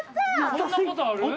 こんなことある？